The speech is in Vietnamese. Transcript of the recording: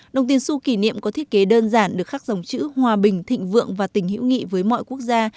đồng tiền su kỷ niệm có thiết kế đơn giản được khắc dòng chữ hòa bình thịnh vượng và tình hữu nghị với mọi quốc gia